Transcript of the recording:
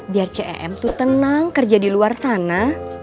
biar cem itu tenang kerja di luar sana